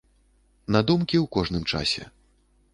На думкі ў кожным часе!